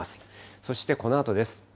そしてこのあとです。